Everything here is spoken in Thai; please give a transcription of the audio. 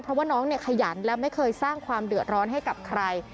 เพราะว่าน้องเนี่ยขยันและไม่เคยสร้างความเดือดร้อนให้กับใคร